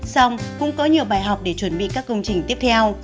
xong cũng có nhiều bài học để chuẩn bị các công trình tiếp theo